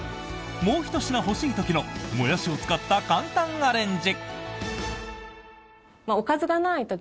もうひと品欲しい時のモヤシを使った簡単アレンジ！